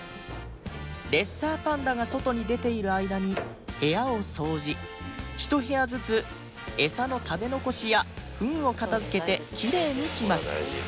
レッサーパンダが外に出ている間にひと部屋ずつエサの食べ残しやふんを片付けてきれいにします